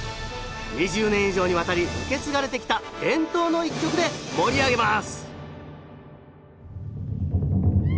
２０年以上にわたり受け継がれてきた伝統の一曲で盛り上げます